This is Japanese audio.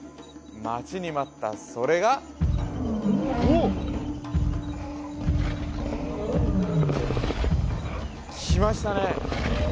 待ちに待ったそれがおおっ来ましたね